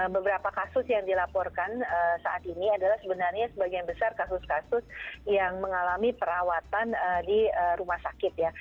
beberapa kasus yang dilaporkan saat ini adalah sebenarnya sebagian besar kasus kasus yang mengalami perawatan di rumah sakit ya